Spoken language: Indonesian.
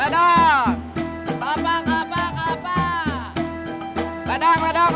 ladang ladang ladang